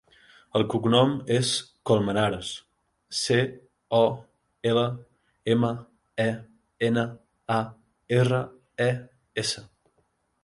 El cognom és Colmenares: ce, o, ela, ema, e, ena, a, erra, e, essa.